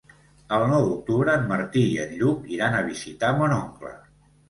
El nou d'octubre en Martí i en Lluc iran a visitar mon oncle.